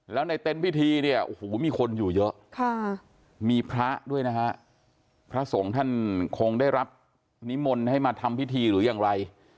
แล้วในเต็นต์พิธีเนี่ยโอ้โหมีคนอยู่เยอะมีพระด้วยนะฮะพระสงฆ์ท่านคงได้รับนิมนต์ให้มาทำพิธีหรือยังไร